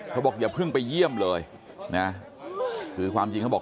อย่าเพิ่งไปเยี่ยมเลยนะคือความจริงเขาบอก